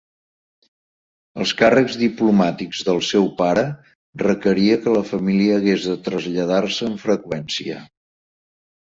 Els càrrecs diplomàtics del seu pare requeria que la família hagués de traslladar-se amb freqüència.